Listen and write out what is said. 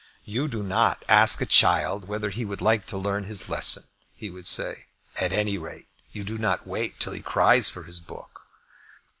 "You do not ask a child whether he would like to learn his lesson," he would say. "At any rate, you do not wait till he cries for his book."